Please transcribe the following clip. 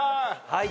はい。